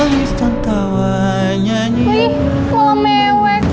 wih malah mewek